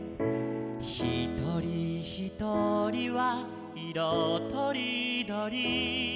「ひとりひとりはいろとりどり」